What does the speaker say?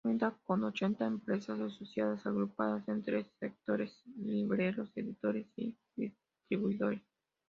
Cuenta con ochenta empresas asociadas, agrupadas en tres sectores: libreros, editores y distribuidores.